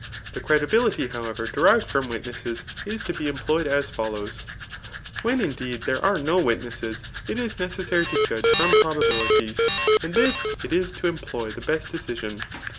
The credibility, however, derived from witnesses [is to be employed as follows*] CKAF« XVI. JLHETORIC« 91 VBIien, indeed, there are no wknesses, it is neeesBaiy to judge from pre>babilitie8 ; and this it is to employ the best decision.